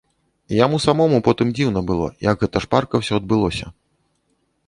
Яму самому потым дзіўна было, як гэта шпарка ўсё адбылося.